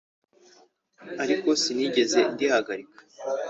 ariko sinigeze ndihagarika